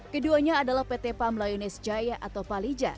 keduanya adalah pt pam launis jaya atau palija